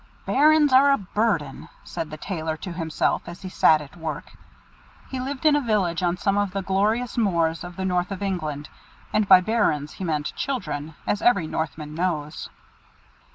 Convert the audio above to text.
"Bairns are a burden," said the Tailor to himself as he sat at work. He lived in a village on some of the glorious moors of the north of England; and by bairns he meant children, as every Northman knows.